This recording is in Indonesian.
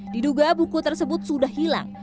diduga buku tersebut sudah hilang